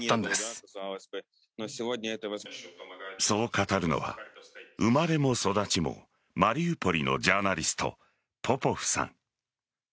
そう語るのは生まれも育ちもマリウポリのジャーナリストポポフさん。